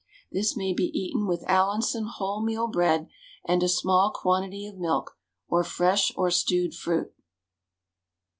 This may be eaten with Allinson wholemeal bread and a small quantity of milk, or fresh or stewed fruit.